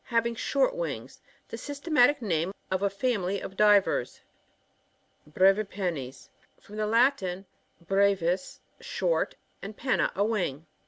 Having short wings. The syste matic name of a family of divers. Bkkvipennes. — From the Latin, 6re via, short, and penna, a wing.